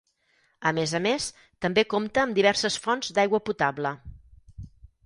A més a més també compta amb diverses fonts d'aigua potable.